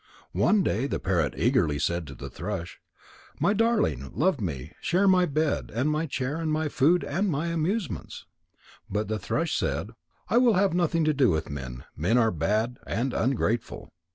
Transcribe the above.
One day the parrot eagerly said to the thrush: "My darling, love me, and share my bed and my chair and my food and my amusements." But the thrush said: "I will have nothing to do with men. Men are bad and ungrateful."